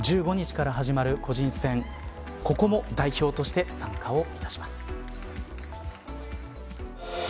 １５日から始まる個人戦ここも代表として参加をいたします。